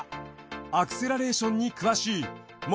アクセラレーションに詳しい元